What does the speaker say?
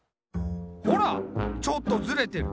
ほらちょっとずれてる。